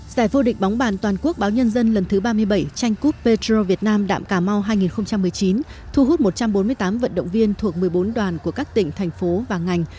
giải vô địch bóng bàn toàn quốc báo nhân dân lần thứ ba mươi bảy tranh cúp petro việt nam đạm cà mau hai nghìn một mươi chín thu hút một trăm bốn mươi tám vận động viên thuộc một mươi bốn đoàn của các tỉnh thành phố và ngành